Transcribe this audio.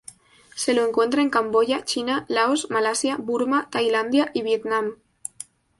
Se lo encuentra en Camboya, China, Laos, Malasia, Burma, Tailandia, y Vietnam.